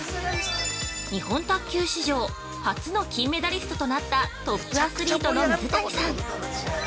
日本卓球史上初の金メダリストとなったトップアスリートの水谷さん。